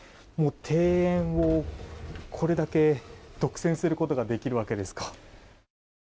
庭園をこれだけ独占することができるわけですか。